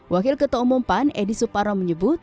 wakil ketua umum pan edi suparno menyebut